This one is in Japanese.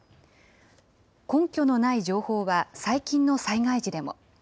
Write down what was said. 根拠のない情報は最近の災害時でも。